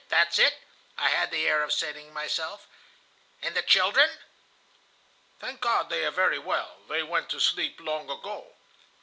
that's it!' I had the air of saying to myself. 'And the children?' "'Thank God, they are very well. They went to sleep long ago.